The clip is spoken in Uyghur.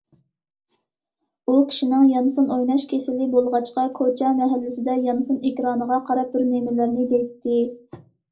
ئۇ كىشىنىڭ يانفون ئويناش‹‹ كېسىلى›› بولغاچقا كوچا، مەھەللىسىدە يانفون ئېكرانىغا قاراپ بىر نېمىلەرنى دەيتتى.